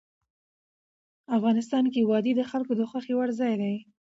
افغانستان کې وادي د خلکو د خوښې وړ ځای دی.